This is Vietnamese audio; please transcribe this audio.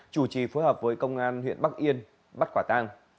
chủ trì phối hợp với công an huyện bắc yên bắt quả tang